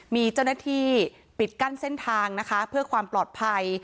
มีเจ้าหน้าที่ปิดกั้นเส้นทางนะคะเพื่อความปลอดภัย